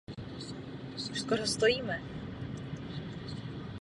Nosilo ho třináct papežů a šest byzantských císařů.